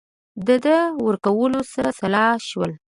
د دیه ورکولو سره سلا شول.